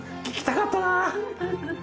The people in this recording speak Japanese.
聞きたかったなぁ。